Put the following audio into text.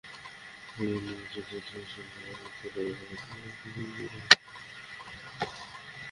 ছবির অন্যান্য চরিত্রে রয়েছেন আনুশকা শর্মা, সুশান্ত সিং রাজপুত, বোমান ইরানি প্রমুখ।